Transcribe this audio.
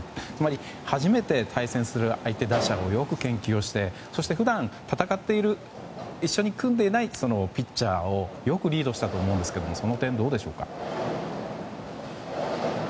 初めて対戦する相手打者をよく研究をしてそして、普段戦っている一緒に組んでいないピッチャーをよくリードしたと思いますがその点、どうでしょうか。